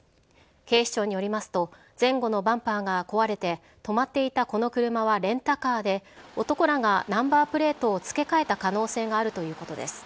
警視庁によりますと、前後のバンパーが壊れて、止まっていたこの車はレンタカーで、男らがナンバープレートを付け替えた可能性があるということです。